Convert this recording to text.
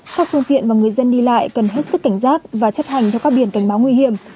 các phương tiện và người dân đi lại cần hết sức cảnh giác và chấp hành theo các biển cảnh báo nguy hiểm